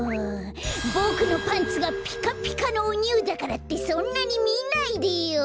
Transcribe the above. ボクのパンツがピカピカのおニューだからってそんなにみないでよ！